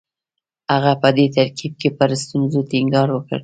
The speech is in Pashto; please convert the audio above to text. هغه په دې ترکیب کې پر ستونزو ټینګار وکړ